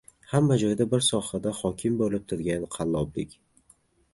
Hamma joyda, har bir sohada hokim bo‘lib turgan qalloblik.